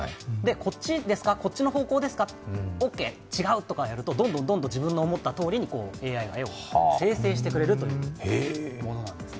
こっちですか、こっちの方向ですかオーケー、違うとかやると、どんどん自分の思ったとおりにＡＩが絵を生成してくれるものなんです。